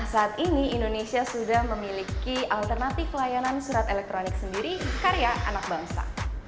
saat ini indonesia sudah memiliki alternatif layanan surat elektronik sendiri karya anak bangsa